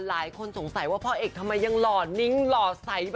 หลายคนสงสัยว่าพ่อเอกทำไมยังหล่อนิ้งหล่อใส